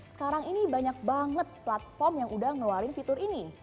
sekarang ini banyak banget platform yang udah ngeluarin fitur ini